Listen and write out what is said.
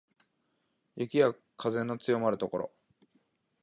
雪や風の強まる所